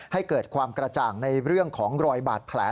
ให้เกิดความกระจ่างในเรื่องของรอยบาดแผล